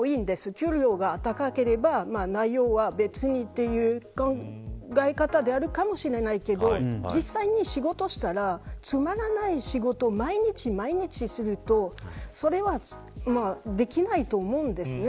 給料が高ければ内容は別にという考え方であるかもしれないけど実際に仕事をしたらつまらない仕事を毎日毎日するとそれはできないと思うんですね。